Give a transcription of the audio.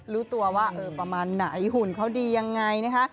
รู้ตัวว่าเออประมาณไหนหุ่นเขาดียังไงนะคะ